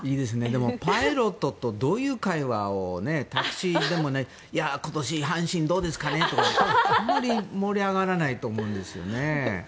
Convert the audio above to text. でもパイロットとどういう会話をタクシーでもないし今年、阪神どうですかね？とかあまり盛り上がらないと思うんです。